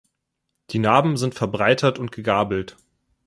Die Narben sind verbreitert und gegabelt.